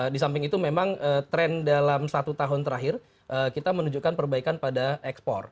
di samping itu memang tren dalam satu tahun terakhir kita menunjukkan perbaikan pada ekspor